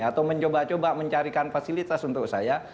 atau mencoba coba mencarikan fasilitas untuk saya